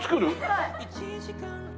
はい。